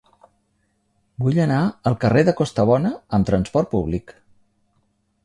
Vull anar al carrer de Costabona amb trasport públic.